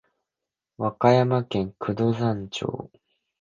和歌山県九度山町